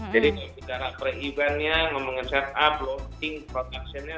jadi kalau bicara pre eventnya ngomongin setup launching production nya